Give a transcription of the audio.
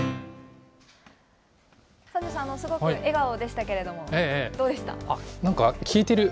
三條さん、すごく笑顔でしたけれども、どうでした？